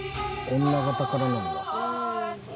女方からなんだ。